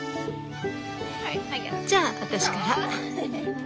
じゃ私から。